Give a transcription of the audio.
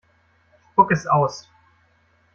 Spuck es aus!